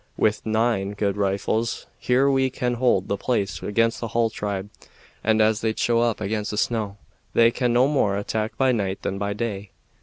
With nine good rifles here we can hold the place against the hull tribe, and as they'd show up against the snow, they can no more attack by night than by day."